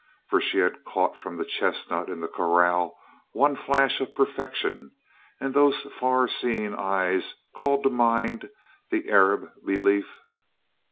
For she had caught from the chestnut in the corral one flash of perfection and those far seeing eyes called to mind the Arab belief.